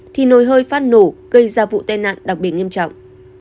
thì nồi hơi phát nổ gây ra vụ tai nạn đặc biệt nghiêm trọng